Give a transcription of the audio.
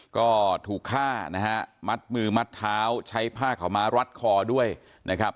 ก็ถูกฆ่านะฮะมัดมือมัดเท้าใช้ผ้าขาวม้ารัดคอด้วยนะครับ